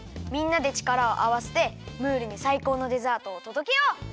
みんなでちからをあわせてムールにさいこうのデザートをとどけよう！